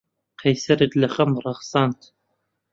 قەیسەریت لە خەم ڕەخساند.